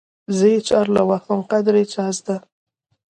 زه يې چالره وهم قدر يې چازده